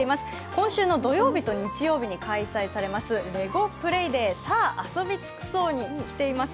今週の土曜日と日曜日に開催されます「レゴプレイデーさぁ遊びつくそう！」に来ています。